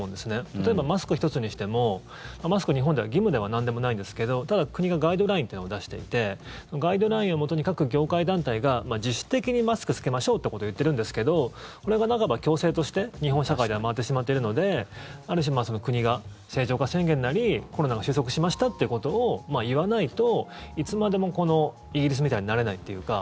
例えばマスク１つにしてもマスク、日本では義務でもなんでもないんですけどただ国がガイドラインというのを出していてガイドラインをもとに各業界団体が自主的にマスク着けましょうってことを言ってるんですけどこれが半ば強制として日本社会では回ってしまっているのである種、国が正常化宣言なりコロナが収束しましたってことを言わないといつまでもイギリスみたいになれないというか。